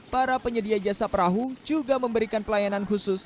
para penyedia jasa perahu juga memberikan pelayanan khusus